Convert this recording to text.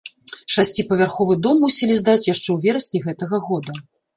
Шасціпавярховы дом мусілі здаць яшчэ ў верасні гэтага года.